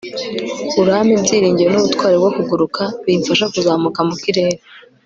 urampa ibyiringiro nubutwari bwo kuguruka, bimfasha kuzamuka mukirere